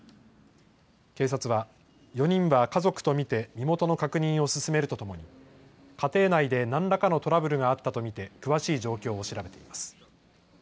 警察は４人は家族と見て身元の確認を進めるとともに、家庭内で何らかのトラブルがあったと見て詳しい状況を調べています。